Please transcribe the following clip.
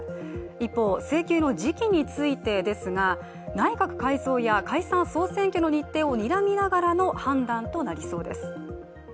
一方、請求の時期についてですが、内閣改造や解散総選挙の日程をにらみながらの判断となりそうです。